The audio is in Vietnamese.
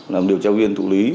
làm điều tra viên thụ lý